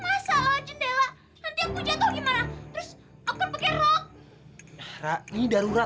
masa loh jendela nanti aku jatuh gimana